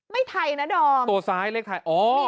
ไทยนะดอมตัวซ้ายเลขไทยอ๋อ